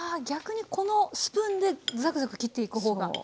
逆にこのスプーンでザクザク切っていく方が。